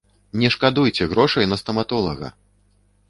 Не шкадуйце грошай на стаматолага!